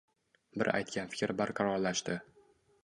Bir aytgan fikr barqarorlashdi